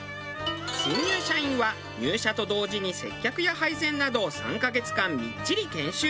新入社員は入社と同時に接客や配膳などを３カ月間みっちり研修。